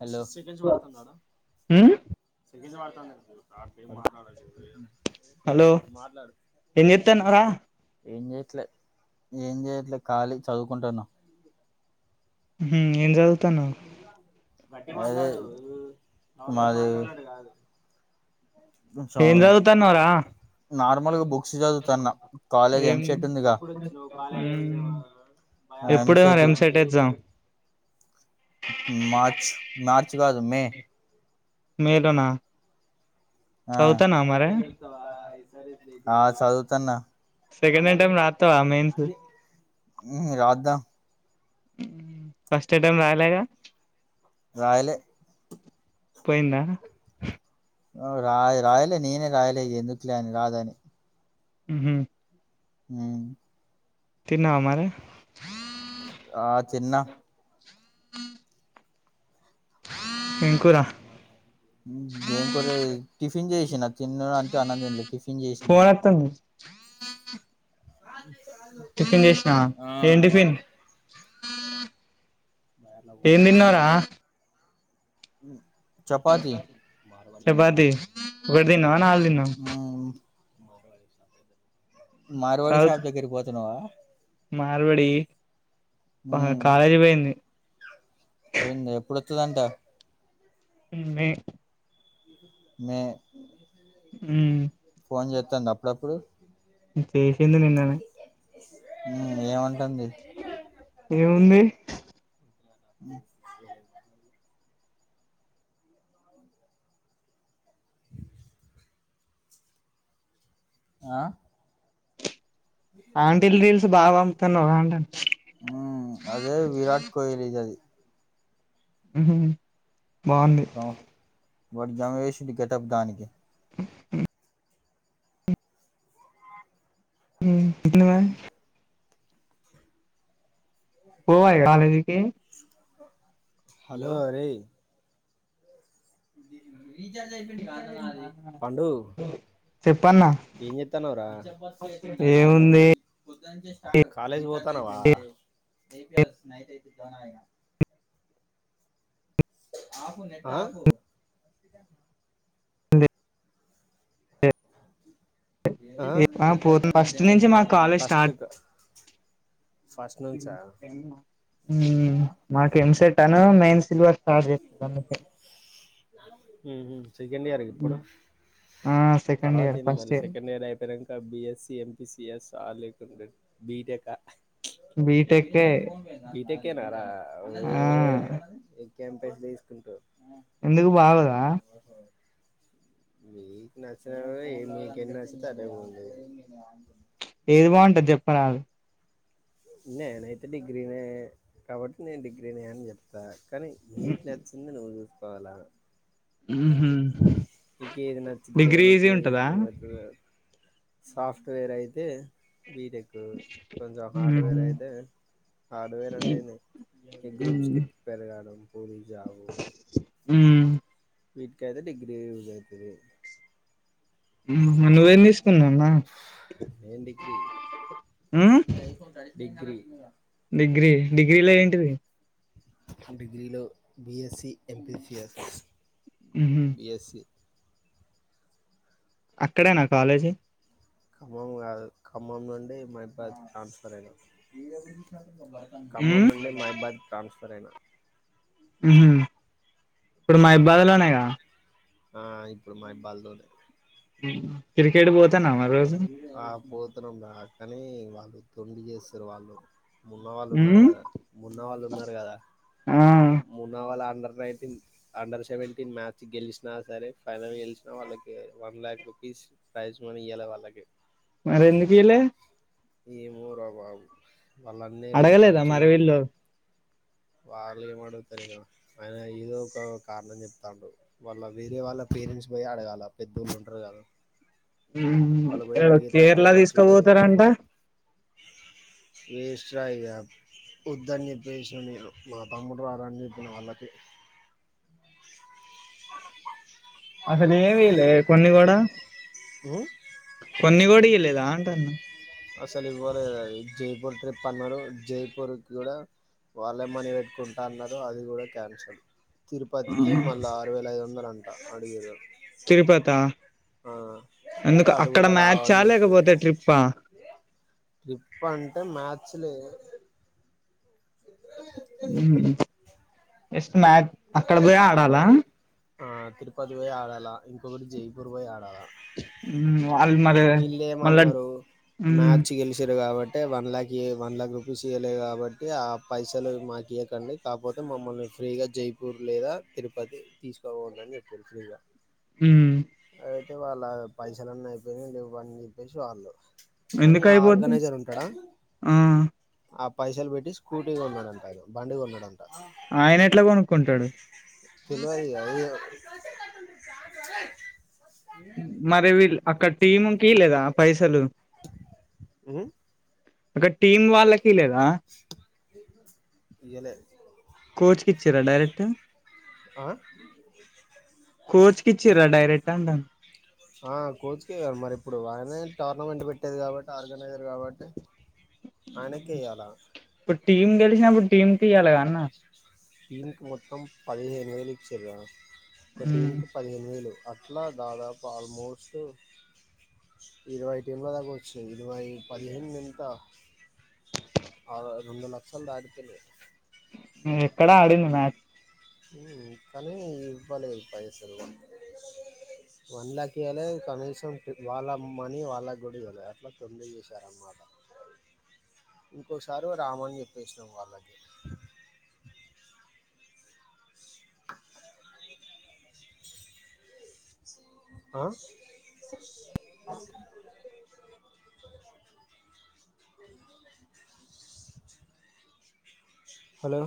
Hello త హ్మ్ నాకేం మాట్లాడనిలేదు హలో మాట్లాడు ఏం చేత్తన్నావ్ రా ఏం చేయట్లే ఏం చేయట్లే ఖాళీ చదువుకుంటున్నా హుమ్ ఏం చదువుతున్నావ్ అదే మాది ఏం చదువుతున్నావ్ రా నార్మల్గా బుక్స్ చదువుతన్న కాలేజ్ ఏం ఎంసెట్ ఉందిగా బయాలజీ ఎప్పుడె మరి చెప్తావా ఎంసెట్ ఏదో ఒకటి ఎక్జాం మార్చ్ మార్చ్ కాదు మే మే లోన అ ఆ చదువుతున్న సెకండ్ ఐటెమ్ రాస్తవా మెయిన్స్ మ్ రాద్దాం ఫస్ట్ అటైం రాయలెగా రాయ్లే పోయింద రా రాయ్లే నేనే రాయ్ లేదు ఎందుకులే అని రాదని ఉహు మ్ తిన్నావ మరె ఆ తిన్న ఉ ఏం కూర ఏం కూరె టిఫిన్ చేసిన తిన్న అంటే అన్నం తినలె టిఫిన్ చేసిన ఫోన్ వత్తుంది టిఫిన్ చేసినావా ఆ ఏం టిఫిన్ ఏమ్ తిన్నావ్ రా ఉ చపాతి వదిన నాక్ మార్వాడి చదువు షాప్ దగ్గరికి పోతున్నావా మార్వడి కాలేజీ పోయింది పోయిందె ఎప్పుడుొస్తుందంట ఉంది న్ హ్మ్ ఫోన్ చేస్తాం ద అప్పుడప్పుడు ఉమ్ ఎందు నిన్నా ఏమంటుంది ఏముంది అ అ ఆంటీలు రీల్స్ బాగా పంపుతున్నావ్ అంటాను ఆ అదే విరాట్ కోహలీ ది అది ఉహు హు బాగుంది మొత్తం వేసింది గెటప్ దానికి ఉ ఉన్నావా పోవాయిగా కాలేజీకి హలో అరేయ్ రీచార్జ్ అయిపోయింది కాదనా నది పండు చెప్పన్నా ఏం చేస్తున్నావ్ రా ఏముంది కాలేజీకి పోతున్నావా నో సౌండ్ ఆ ఆ పోతున్న ఫస్ట్ నుంచి మా ఫస్ట్ కు ఏమో ఆ? మాకు ఎం సెట్ అను మెన్ సిల్వర్ స్టార్ చేస్తుండ్రు నాకు సకెడ్ ఈయరా ఇప్పుడు ఆ సెకండ్ తర్వాత ఇయర్ ఏంది ఫస్ట్ మరి సెకండ్ ఇయర్ అయిపోయినాంక బిఎస్సి ఎంపిసి ఎస్ చాల లేకుంట బీటెకా బీటెకే బీటెక్ కెనరా ఓ ఆ క్యాంపేస్ తీసుకుంటారు ఎందుకు బాగూదా మీకు నచ్చిన మీకె నచ్చితే అదే ఉంది ఏది బాగుంటంది చెప్పరాదు నేనైతే డిగ్రీనే కాబట్టి నేను డిగ్రీనే అని చెప్తా కానీ నీకు నచ్చింది నువ్వు చూసుకోవాలా నీకే ఏది నచిందో డిగ్రీ నీక ఈజీ ఏది ఉంటదా ఇష్టమైతదో సాఫ్ట్వేర్ అయితే బీటెక్ కొంచెం హార్డ్వేర్ అయితే హార్డ్వేర్ అంటే ఈ గ్రూప్స్ హ్మ్ కి ప్రిపేర్కావడమ్ పోలీస్ జాబ్ ఉ వీటికి అయితే డిగ్రీ యూజవుతుది ఉ నువ్వేమి తీసుకున్నావ్ అన్న నేను డిగ్రీ ఉ డిగ్రీ డిగ్రీ డిగ్రీలో ఏంటిది డిగ్రీలో బిఎస్సి ఎంపిసిఎస్ హుహు. బిఎస్సి అక్కడేనా కాలేజీ ఖమ్మం కాదు ఖమ్మం నుండి మహి బాద్ ట్రాన్స్ఫర్ అయినా ఖమ్మం హ్మ్ నుండి మహిబాద్ ట్రాన్స్ఫర్ అయినా ఇప్పుడు మహిబాదులోనే కదా ఆ ఇప్పుడు మహిబాదులోనే తిరిగి ఆ పోతున్నాం కానీ వాళ్ళు తొండి చేస్తారు వాళ్ళు మున్నవాళ్ళు ఉన్నారు హ్మ్ కదా మున్నవాళ్ళు ఉన్నారు కదా ఆ మున్నవాళ్ళు ఆ under nineteen under seventeen match గెలిచినా సరే ఫైనల్ గెలిచినా వాళ్ళకి one lakh fix prize money ఇయ్యలే వాళ్లకు మరి ఎందుకు ఇయ్యలే ఏమో రా బాబు వాళ్ళన్నీ రూమ్ అడగలేదా మరి ఖర్చులు వీళ్ళు వాళ్ళ ఏం అడుగుతారు ఇంకా ఆయన ఏదో ఒక కారణం చెప్తా ఉంటడు వాళ్ళ వేరే వాళ్ళ పేరెంట్స్ పోయి అడగాల పెద్దోళ్ళు ఉండరు కదా వాళ్ళు పోయి అడిగితే కేరళ అప్పుడు మంచిగా ఉండలే తీసుకోపోతారంట శయాబ్ వద్దని చెప్పేసిన నేను మా తమ్ముడు వార అని చెప్పిన వాళ్ళకి అసలు ఏమిలే కొన్ని కూడా ఉ కొన్ని కూడా ఇయలేదా అంట అన్నా అసలు ఇవ్వలేదు అది జైపూర్ ట్రిప్ అన్నారు జైపూర్కి కూడా వాళ్ళేమనీ పెట్టుకుంటా అన్నారు అది కూడా క్యాన్సల్ తిరుపతికి మల్ల ఆరు వేల ఐదు వందలు అంట అడిగిరి తిరుపతి ఆ అయితే ఎందుకు అటు అక్కడ కూడా మ్యాచ్ రావని ఆ లేకపోతే చెప్పేసినాం ట్రిప్పా ట్రిప్ అంటే మ్యాచ్ లే ఎస్ మ్యాచ్ అక్కడ పోయి ఆడాలా ఆ తిరుపతి పోయి ఆడాలా ఇంకొకటి జైపూర్ పోయి ఆడాలా మ్మ్ వాళ్ళు మరి వీళ్లు మళ్ళా ఏమన్నారు మ్మ్ మ్యాచ్ గెలిచారు కాబట్టి అంటే one lakh one lakh rupees ఇవ్వలేదు కాబట్టి ఆ పైసలు మాకు ఇయ్వకండి కాకపోతే మమ్మల్ని ఫ్రీగా జైపూర్ లేదా తిరుపతి తీసుకపోండి అని చెప్పారు ఫ్రీగా ఉమ్ అంటే వాళ్ళ పైసలున్నీ అయిపోయినాయి లేవ ని చెప్పేసి వాళ్ళు కానీ ఎందుకు ఆ అయిపోద్ది ఆర్గనైజర్ ఉంటాడా ఆ అప్ పైసలు పెట్టి స్కూటీ కొన్నాడంట ఈగో బండి కొన్నాడంట ఆయన ఎట్లా కొనుక్కుండు తెలువదు కదా ఇగో మరి వీళ్లు అక్కడ టీముకి లేదా పైసలు ఉమ్ ఒక టీమ్ వాళ్ళకి లేదా ఇయ్యలే కోచ్ కి ఇచ్చిరా డైరెక్ట్ కోచ్ కి ఇచ్చిర్రా డైరెక్ట్ అంటన్న ఆ కోచ్కేగా మరి ఇప్పుడు ఆయనే టోర్నమెంట్ పెట్టేది కాబట్టి ఆర్గనైజర్ కాబట్టి ఆయనకే ఇయ్యాల ఇప్పుడు టీమ్ గెలిచినప్పుడు టీమ్కి ఇయాల గా అన్న టీం కి మొత్తం పదిహేను వేలు ఇచ్చారు ఒక టీం హ్మ్. కి పదిహేను వేలు అట్లా దాదాపు ఆల్మోస్ట్ ఇరవై టీ మూల దగ్గ వచ్చు ఇరవై పదిహేను ఎంత ఆ రెండు లక్షలు దాటిపోయింది ఎక్కడా ఆడింది మ్యాచ్ ఉమ్ కానీ ఇవ్వలేదు పైసలు మొత్తం వన్ లక్ ఇయ్యలే కనీసం వాళ్ళ మనీ వాళ్ళ గూడ ఈయలే అట్లా తొండి చేశార అన్నమాట ఇంకొకసారి రామని చెప్పేసినాం వాళ్ళకి ఆ అ హలో